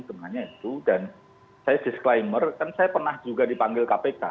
dan saya disclaimer kan saya pernah juga dipanggil kpk